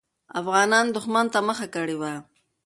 افغانان دښمن ته مخه کړې وه.